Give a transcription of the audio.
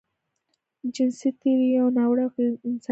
جنسي تېری يو ناوړه او غيرانساني عمل دی.